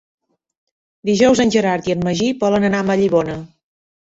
Dijous en Gerard i en Magí volen anar a Vallibona.